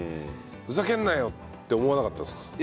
「ふざけんなよ！」って思わなかったですか？